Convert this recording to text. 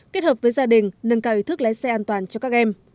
kết hợp với gia đình nâng cao ý thức lái xe an toàn cho các em